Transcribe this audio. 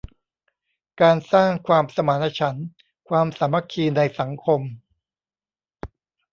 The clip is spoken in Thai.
การสร้างความสมานฉันท์ ความสามัคคีในสังคม